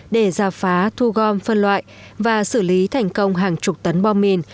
để giả phá thu gom phân loại và xử lý thành công hàng chục tấn bom mìn